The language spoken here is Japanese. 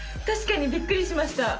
確かにびっくりしました。